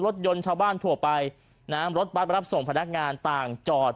รถยนต์ชาวบ้านทั่วไปนะฮะรถบัตรรับส่งพนักงานต่างจอด